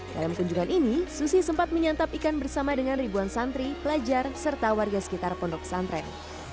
dalam kunjungan ini susi sempat menyantap ikan bersama dengan ribuan santri pelajar serta warga sekitar pondok pesantren